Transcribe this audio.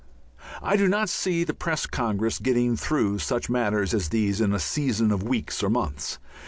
I do not see the Press Congress getting through such matters as these in a session of weeks or months.